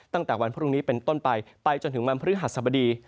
ตั้งแต่วันพรุ่งนี้เป็นต้นไปไปจนถึงวันพฤหัสบดี